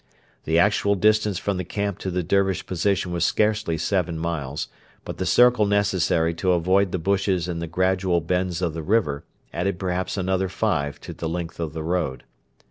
The actual distance from the camp to the Dervish position was scarcely seven miles, but the circle necessary to avoid the bushes and the gradual bends of the river added perhaps another five to the length of the road.